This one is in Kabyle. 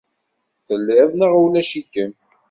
Telliḍ neɣ ulac-ikem.